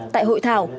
tại hội thảo